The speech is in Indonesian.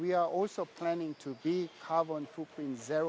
berharap untuk membuat produk tanpa karbon